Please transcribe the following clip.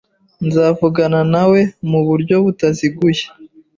Nzavugana nawe muburyo butaziguye.